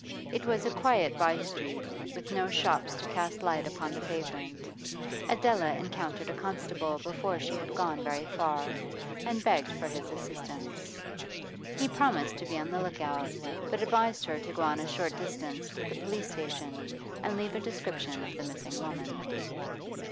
It was a quiet by street, with no shops to cast light upon the pavement. Adela encountered a constable before she had gone very far, and begged for his assistance. He promised to be on the look out, but advised her to go on a short distance to the police station and leave a description of the missing woman.